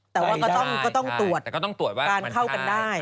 แต่ว่าก็ต้องตรวจการเข้ากันได้ใช่แต่ก็ต้องตรวจว่ามันใช่